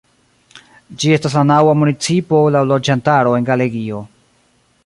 Ĝi estas la naŭa municipo laŭ loĝantaro en Galegio.